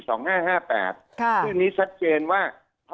ซึ่งนี้ชัดเจนว่า